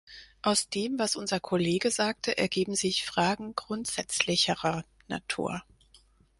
Aus dem, was unser Kollege sagte, ergeben sich Fragen grundsätzlicherer Natur.